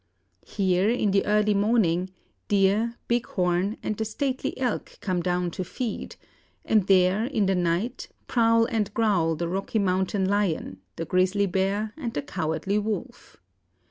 Here, in the early morning, deer, bighorn, and the stately elk come down to feed; and there, in the night, prowl and growl the Rocky Mountain lion, the grizzly bear, and the cowardly wolf.